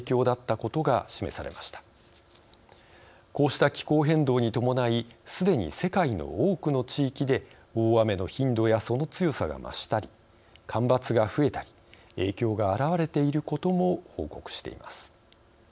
こうした気候変動に伴いすでに世界の多くの地域で大雨の頻度やその強さが増したり干ばつが増えたり影響が現れていることも報告しています。